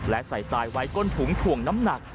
และใส่ทรายไว้ก้นถุงถ่วงน้ำหนัก